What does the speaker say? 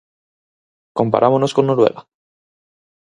¿Comparámonos con Noruega?